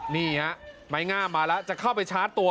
นี่ฮะไม้งามมาแล้วจะเข้าไปชาร์จตัว